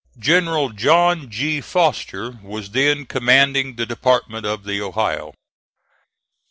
General John G. Foster was then commanding the Department of the Ohio.